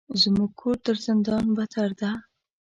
زموږ کور تر زندان بدتر ده.